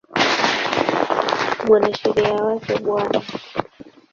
Mwanasheria wake Bw.